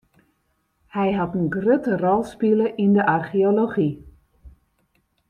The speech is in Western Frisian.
Hy hat in grutte rol spile yn de archeology.